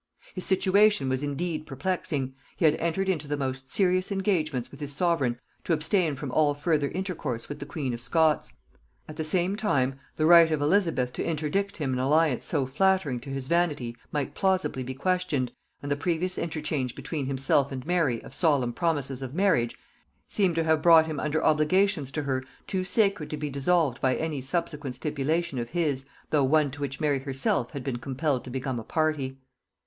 His situation was indeed perplexing: He had entered into the most serious engagements with his sovereign to abstain from all further intercourse with the queen of Scots: at the same time the right of Elizabeth to interdict him an alliance so flattering to his vanity might plausibly be questioned, and the previous interchange between himself and Mary of solemn promises of marriage, seemed to have brought him under obligations to her too sacred to be dissolved by any subsequent stipulation of his, though one to which Mary herself had been compelled to become a party.